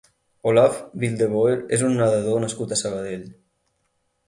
Olaf Wildeboer és un nedador nascut a Sabadell.